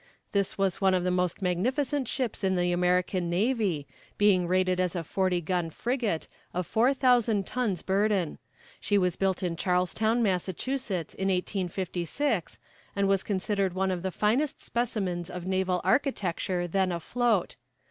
This was one of the most magnificent ships in the American navy, being rated as a forty gun frigate, of four thousand tons burden. She was built in Charlestown, Massachusetts, in 1856, and was considered one of the finest specimens of naval architecture then afloat.